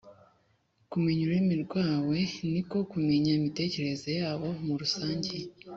kumenya ururimi rwawe ni ko kumenya imitekerereze y’abo murusangiye.